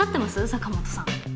坂本さん。